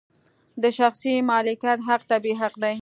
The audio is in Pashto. د شخصي مالکیت حق طبیعي حق دی.